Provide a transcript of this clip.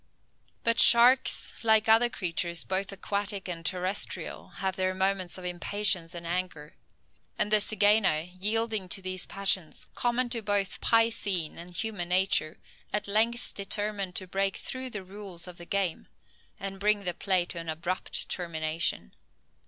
But sharks, like other creatures both aquatic and terrestrial, have their moments of impatience and anger; and the zygaena, yielding to these passions, common to both piscine and human nature, at length determined to break through the rules of the game, and bring the play to an abrupt termination.